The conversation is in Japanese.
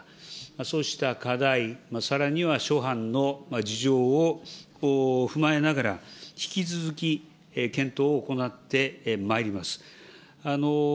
そうした課題、さらには諸般の事情を踏まえながら、引き続き検討を行ってまいります。